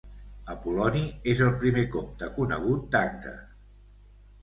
Apol·loni és el primer comte conegut d'Agde.